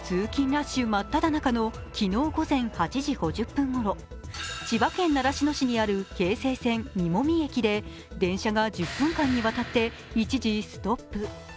ラッシュ真っただ中の昨日午前８時５０分ごろ、千葉県習志野市にある京成線実籾駅で電車が１０分間にわたって一時ストップ。